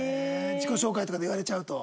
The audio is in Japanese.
自己紹介とかで言われちゃうと？